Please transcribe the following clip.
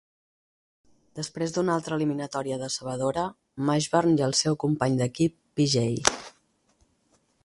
Després d'una altra eliminatòria decebedora, Mashburn i el seu company d'equip, P.J.